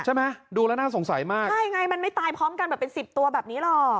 ใช่ไหมดูแล้วน่าสงสัยมากใช่ไงมันไม่ตายพร้อมกันแบบเป็นสิบตัวแบบนี้หรอก